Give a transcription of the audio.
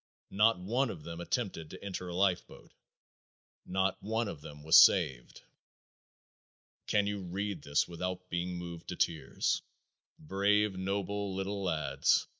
Not one of them attempted to enter a lifeboat. Not one of them was saved." Can you read this without being moved to tears? Brave, noble little lads!